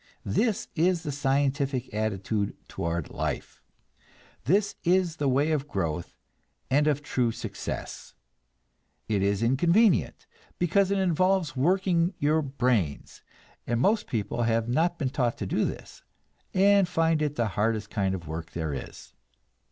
This is the scientific attitude toward life; this is the way of growth and of true success. It is inconvenient, because it involves working your brains, and most people have not been taught to do this, and find it the hardest kind of work there is.